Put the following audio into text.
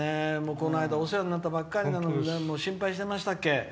この間お世話になったばかりなのに心配してました。